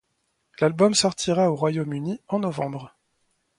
L'album sortira au Royaume-Uni en novembre.